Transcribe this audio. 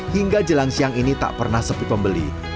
hingga jelang siang ini tak pernah sepi pembeli